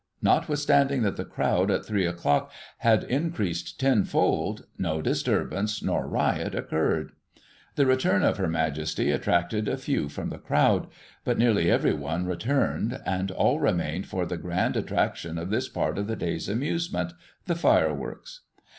Notwithstanding that the crowd, at three o'clock, had increased tenfold, no disturbance nor riot occurred. The return of Her Majesty attracted a few from the crowd, but nearly every one returned, and all remained for the grand attraction of this part of the day's amusement — the fireworks.